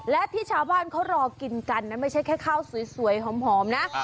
และที่ชาวบ้านเขารอกินกันนะไม่ใช่แค่ข้าวสวยหอมนะ